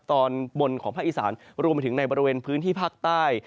ตอนบนของภาคอีสานรวมไปถึงในบริเวณพื้นที่ภาคใต้